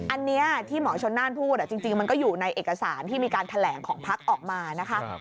อันนี้ที่หมอชนน่านพูดจริงมันก็อยู่ในเอกสารที่มีการแถลงของพักออกมานะคะ